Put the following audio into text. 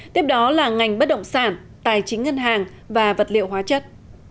tiếp đó là ngành bất động sản tài chính ngân hàng và vật liệu hóa chất